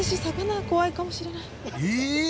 え？